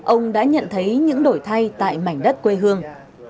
ông đã nhận thấy những đổi thay tại mảnh đất quê hương